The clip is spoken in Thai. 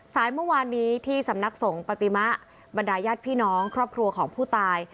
เมื่อวานนี้ที่สำนักสงฆ์ปฏิมะบรรดายญาติพี่น้องครอบครัวของผู้ตาย